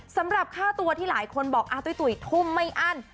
สำหรับค่าตัวที่หลายคนบอกอาตุ้ยทุ่มไม่อั้น